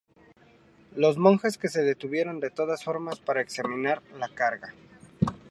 Los monjes que se detuvieron de todas formas para examinar la carga.